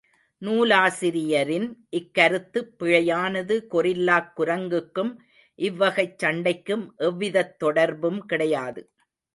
நூலாசிரியரின் இக் கருத்து பிழையானது கொரில்லாக் குரங்குக்கும் இவ்வகைச் சண்டைக்கும் எவ்விதத் தொடர்பும் கிடையாது.